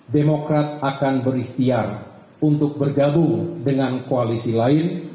demokrat akan berikhtiar untuk bergabung dengan koalisi lain